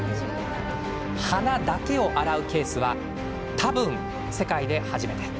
鼻だけを洗うケースは多分、世界で初めて。